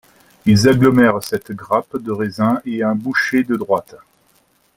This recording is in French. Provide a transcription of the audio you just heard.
Ils agglomèrent cette grappe de raisin et un boucher de droite.